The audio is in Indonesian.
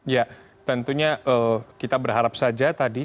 ya tentunya kita berharap saja tadi